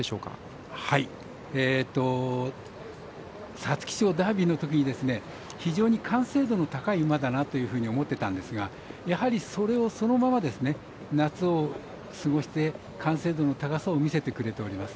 皐月賞、ダービーのときに非常に完成度の高い馬だなというふうに思ってたんですがやはり、それをそのまま夏を過ごして完成度の高さを見せてくれております。